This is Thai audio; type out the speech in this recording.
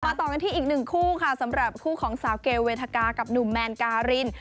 ต่อกันที่อีกหนึ่งคู่ค่ะสำหรับคู่ของสาวเกลเวทกากับหนุ่มแมนการิน